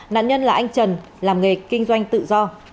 nạn nhân là anh trần làm nghề kinh doanh tự do